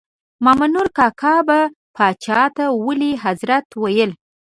مامنور کاکا به پاچا ته ولي حضرت ویل.